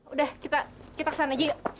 udah kita kesana juga